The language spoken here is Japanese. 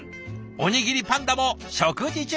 おにぎりパンダも食事中！